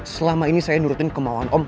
selama ini saya nurutin kemauan om